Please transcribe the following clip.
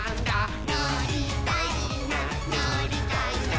「のりたいなのりたいな」